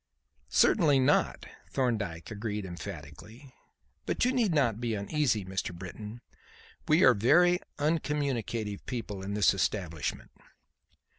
"Certainly not," Thorndyke agreed emphatically; "but you need not be uneasy, Mr. Britton. We are very uncommunicative people in this establishment."